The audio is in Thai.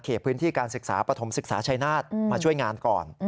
พื้นที่การศึกษาปฐมศึกษาชายนาฏมาช่วยงานก่อน